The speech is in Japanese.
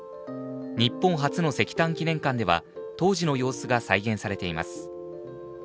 日本初の石炭記念館では当時の様子が再現されています。